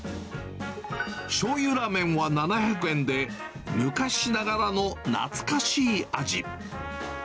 醤油らーめんは７００円で、昔ながらの懐かしい味。